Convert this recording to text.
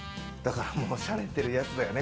しゃれてるやつだよね。